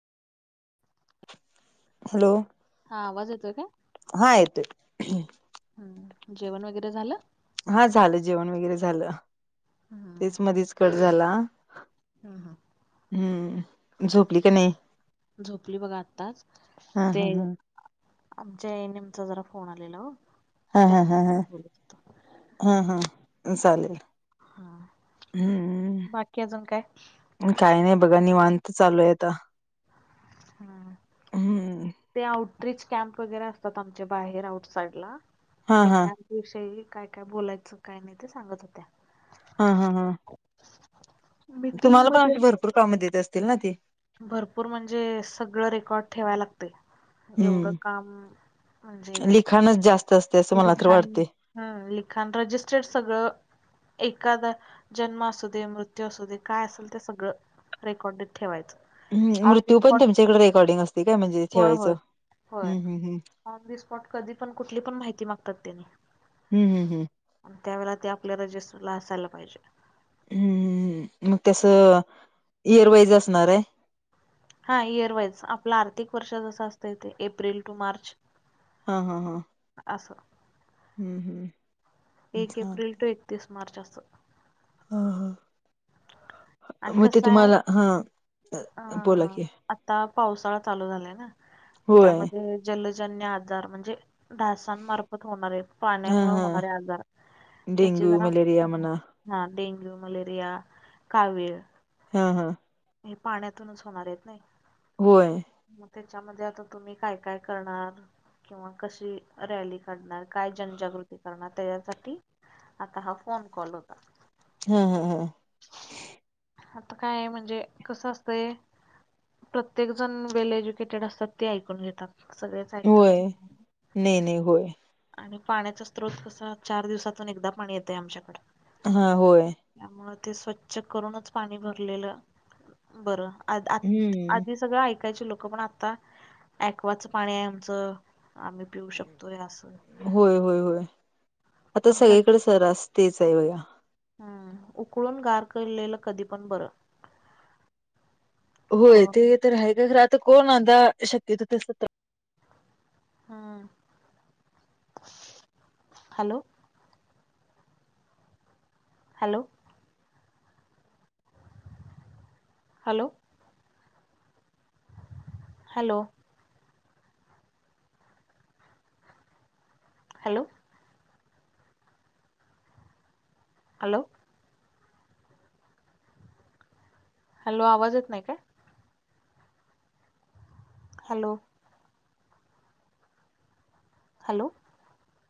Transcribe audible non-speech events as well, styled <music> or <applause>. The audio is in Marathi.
हॅलो. हा आवाज येतोय काय? हा येतोय. हम्म जेवण वगैरे झालं? हा झालं जेवण वगैरे झालं हम्म तेच मधेच कट झाला. हां हां हम्म झोपली का नाही? झोपली बघा आत्ताच हा ते हा ह आमच्या ए ऐन एम चा जरा फोन आलेला हो. हा हा हा त्यांच्यासोबत बोलत होतो हा हा चालेल. हा बाकी अजून काय? काय नाही बघा निवांत चालू आहे आता हम हम्म ते आउ कॅम्प वगैरे असतात आमच्या बाहेर आउट साइड ला हा ते हा कॅम्प विषयी काय काय बोलायचं काय नाय ते सांगत होत्या. हां हां हां. <inaudible> तुम्हाला पण मध्ये आमची भरपूर कामं देत असतील ना ते. भरपूर म्हणजे सगळं रेकॉर्ड ठेवाय लागतंय. एवढं काम म्हणजे त्यानेच जास्त असते असं मला तर लिखाण वाटते हम्म लिखाण रजिस्टेड सगळं एकादा जन्म असू दे मृत्यू असू दे काय असेल ते सगळं रेकॉर्डेड ठेवायचं. हम्म ऑन द मृत्यू पण स्पॉट तुमच्याकडे रेकॉर्डिंग असतेय काय म्हणजे होय होय ठेवायचं. होय हम्म हम्म हम्म ऑन दी स्पॉट कधी पण कुठली पण माहिती माग तर त्यांनी हम्म हम्म हम्म त्यावेळेला ते आपल्या रजिस्टरला असायला पाहिजे. हम्म हम्म मगं तस इयरवाईज असणार आहे? हां इयरवाईज आपलं आर्थिक वर्ष जसं असतंय तेे एप्रिल टू मार्च. हा हा हा. असं हम्म हम्म. एक हा एप्रिल ते एकतीस मार्च असं. हा हा आणि म ते कसं आहे तुम्हाला हा अ बोला की. आता पावसाळा चालू झालायंना होय त्यांमध्ये जलजन्य आजार म्हंजे डासांमार्फत होणारे पाण्यामुळे होणारे आजार त्याचे डेंगू, जरा मलेरिया म्हणा हा डेंग्यू, मलेरिया, कावीळ. हा हा. हे पाण्यातूनच होणार आहेतना? होय. मग त्याच्यामध्ये आता तुम्ही काय, काय करणारं? किंवा कशी रॅली काढणार, काय जनजागृती करणार त्याच्यासाठी. आता हा फोन कॉल होता. हा हा हा. आता काय आहे म्हंजे कस असतय प्रत्येक जणं वेल एज्युकेटेड असतात ते ऐकून घेतात. सगळेच ऐकतात होय, असं नाही नाई, नाई, होय. आणि पाण्याचा स्त्रोत कसा चार दिवसातून एकदा पाणी येतय आमच्याकड. हां होय. त्यामुळ ते स्वच्छ करूनच पाणी भरलेलं बरं आद आत हम्म आधी सगळं ऐकायचे लोक पण आता एक्वाच पाणी आहे आमचं आम्ही पिऊ शकतोय अस. होय, होय, होय आता पण सगळीकडे सरास तेच आहे बघा. ह उकळून गार केलेलं कधी पण बर. होय ते तर आहे का खरं आता कोण आता शक्यतो तेच ह, hello. Hello. Hello. Hello. Hello. Hello. Hello आवाज येत नाही काय? हॅलो. हॅलो.